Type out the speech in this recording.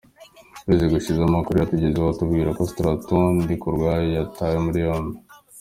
Ukwezi gushize amakuru yatugezeho atubwira ko Straton Ndikuryayo yatawe muri yombi.